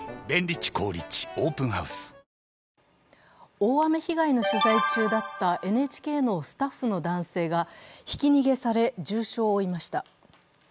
大雨被害の取材中だったＮＨＫのスタッフの男性がひき逃げされ、重傷を負いました。